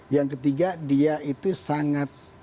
yang ketiga dia itu sangat